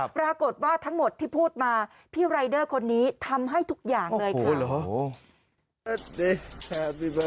ปรากฏว่าทั้งหมดที่พูดมาพี่รายเดอร์คนนี้ทำให้ทุกอย่างเลยค่ะ